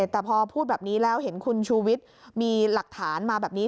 แต่พอพูดแบบนี้แล้วเห็นคุณชูวิทย์มีหลักฐานมาแบบนี้